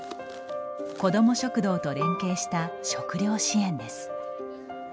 子ども食堂と連携した食料支援です。